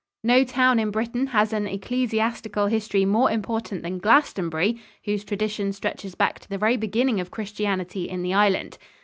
No town in Britain has an ecclesiastical history more important than Glastonbury, whose tradition stretches back to the very beginning of Christianity in the Island.